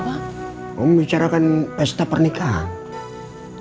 mau bicara kan pesta pernikahan